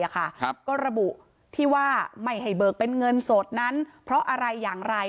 ก็ระบุที่ว่าไม่ให้เบิกเป็นเงินสดนั้นเพราะอะไรอย่างไร